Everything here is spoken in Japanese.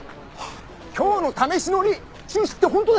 今日の試し乗り中止って本当ですか？